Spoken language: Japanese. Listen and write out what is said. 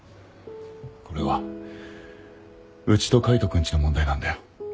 これはうちと海斗君ちの問題なんだよ。